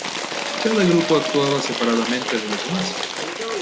Cada grupo actuaba separadamente de los demás.